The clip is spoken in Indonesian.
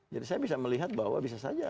jadi saya bisa melihat bahwa bisa saja